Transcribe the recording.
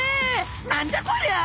何じゃこりゃ！？